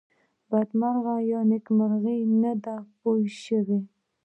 بدمرغه یا نېکمرغه نه دی پوه شوې!.